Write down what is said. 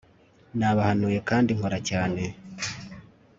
nabahanuye kandi nkora cyane